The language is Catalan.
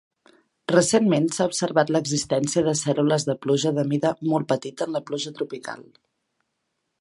Recentment s'ha observat l'existència de cèl·lules de pluja de mida molt petita en la pluja tropical.